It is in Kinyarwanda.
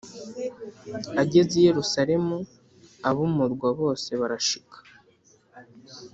Ageze i Yerusalemu ab’umurwa bose barashika